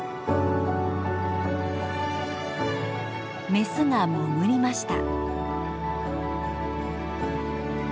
メスが潜りました。